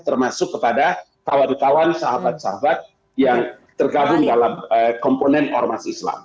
termasuk kepada kawan kawan sahabat sahabat yang tergabung dalam komponen ormas islam